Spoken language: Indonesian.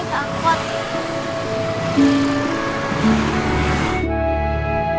emang kamu punya orang buat